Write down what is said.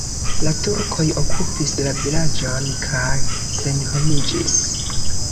La turkoj okupis la vilaĝon kaj senhomiĝis.